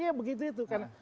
ya begitu itu